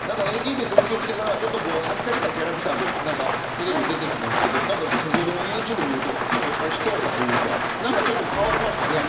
ＡＫＢを卒業してからははっちゃけたキャラクターでテレビに出ていたんですけど先ほどのユーチューブを見るとおしとやかというか変わりましたね。